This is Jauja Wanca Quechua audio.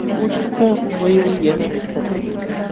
Uchukaq wayun yana allpaćhu.